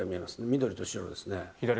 緑と白ですね。